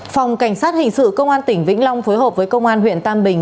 phòng cảnh sát hình sự công an tỉnh vĩnh long phối hợp với công an huyện tam bình